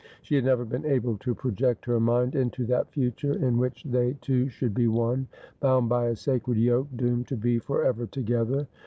She had never been able to project her mind into that future in which they two should be one, bound by a sacred yoke, doomed to be for ever together.